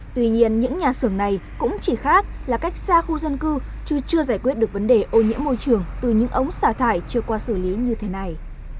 tuy nhiên những nhà xưởng này cũng chỉ khác là cách xa khu dân cư chứ chưa giải quyết được vấn đề ô nhiễm môi trường từ những ống xả thải chưa qua xử lý như thế này